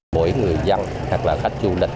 mỗi người dân hoặc là khách du lịch